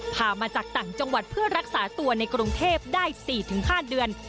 พามาจากต่างจังหวัดเพื่อรักษาตัวในกรุงเทพได้๔๕เดือน